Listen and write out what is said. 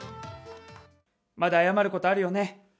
まだ謝ることあるよね。